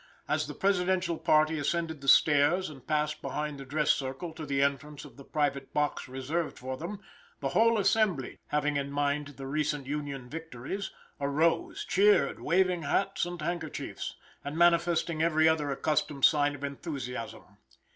As the presidential party ascended the stairs, and passed behind the dress circle to the entrance of the private box reserved for them, the whole assemblage, having in mind the recent Union victories, arose, cheered, waving hats and handkerchiefs, and manifesting every other accustomed sign of enthusiasm.